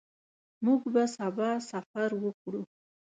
موږ به سبا سفر وکړو.